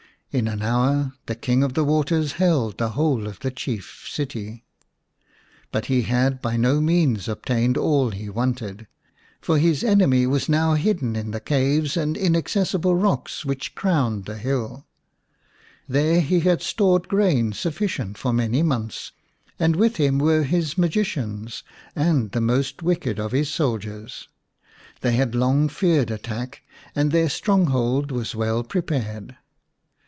In an hour the King of the Waters held the whole of the chief city ; but he had by no means obtained all he wanted. For his enemy was now hidden in the caves and inaccessible rocks which crowned the hill. 110 ix The Serpent's Bride There he had stored grain sufficient for many months, and with him were his magicians and the most wicked of his soldiers. They had long feared attack, and their stronghold was well prepared.